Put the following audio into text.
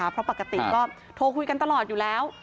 เพราะปกติก็โทรคุยกันตลอดอยู่แล้ว